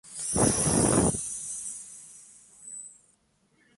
記憶の中の海には何もないんだよ。電線の先もさ、何もないんだ。